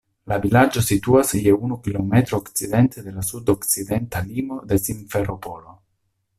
La vilaĝo situas je unu kilometro okcidente de la sud-okcidenta limo de Simferopolo.